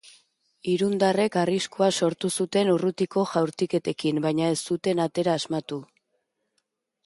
Irundarrek arriskua sortu zuten urrutiko jaurtiketekin, baina ez zuten atera asmatu.